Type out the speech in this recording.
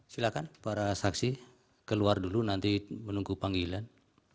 silakan para saksi keluar dulu nanti menunggu panggilan